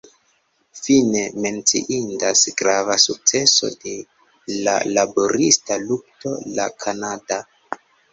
Fine, menciindas grava sukceso de la laborista lukto: La Kanada.